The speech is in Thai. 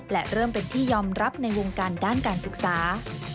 และเริ่มเป็นที่ยอมรับในวงการด้านการศึกษา